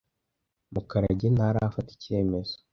Mukarage ntarafata icyemezo.